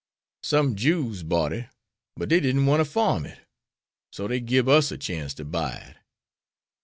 Some Jews bought it, but dey didn't want to farm it, so dey gib us a chance to buy it.